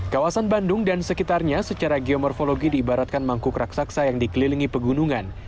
kawasan bandung dan sekitarnya secara geomorfologi diibaratkan mangkuk raksasa yang dikelilingi pegunungan